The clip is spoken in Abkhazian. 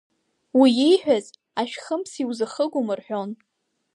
Уи ииҳәаз ашәхымс иузахыгом, – рҳәон.